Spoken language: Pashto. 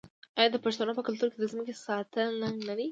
آیا د پښتنو په کلتور کې د ځمکې ساتل ننګ نه دی؟